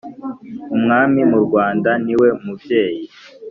umwami mu rwanda ni we mubyeyi